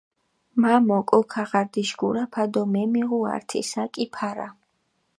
მა მოკო ქაღარდიში გურაფა დო მემიღუ ართი საკი ფარა.